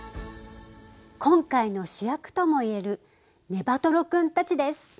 今回の主役ともいえるネバトロ君たちです。